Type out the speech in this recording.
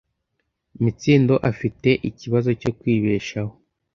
Mitsindo afite ikibazo cyo kwibeshaho.